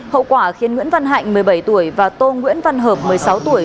hậu quả khiến nguyễn văn hạnh một mươi bảy tuổi và tô nguyễn văn hợp một mươi sáu tuổi